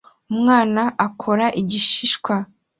Umwana akora igishishwa